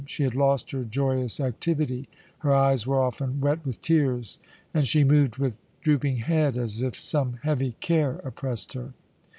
She had lost her joyous activity, her eyes were often wet with tears, and she moved with drooping head as if some heavy care oppressed her.